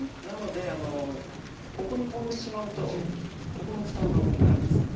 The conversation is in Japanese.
なのでここにトンでしまうとここの負担が重くなるんです。